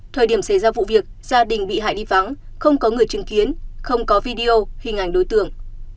thời điểm xảy ra vụ việc gia đình bị hại đi vắng không có người chứng kiến không có video hình ảnh đối tượng